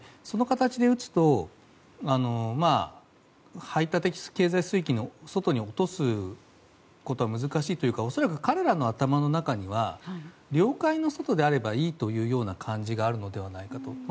その形で撃つと排他的経済水域の外に落とすことは難しいというか恐らく彼らの頭の中には領海の外であればいいというような感じがあるのではないかと。